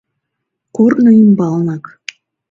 Корно ӱмбалнак.